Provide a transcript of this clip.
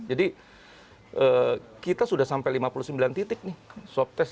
jadi kita sudah sampai lima puluh sembilan titik nih swab test